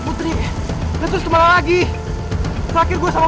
putri gak boleh nyara